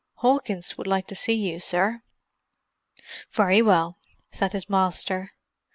"Hawkins would like to see you, sir." "Very well," said his master.